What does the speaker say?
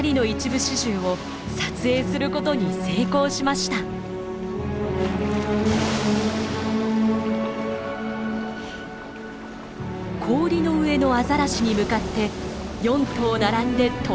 氷の上のアザラシに向かって４頭並んで突進！